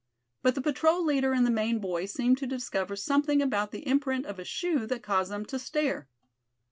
But the patrol leader and the Maine boy seemed to discover something about the imprint of a shoe that caused them to stare.